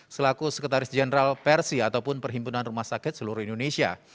selaku sekretaris jenderal persi ataupun perhimpunan rumah sakit seluruh indonesia